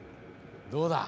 どうだ？